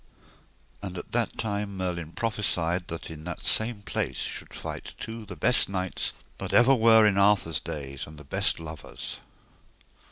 And at that time Merlin prophesied that in that same place should fight two the best knights that ever were in Arthur's days, and the best lovers.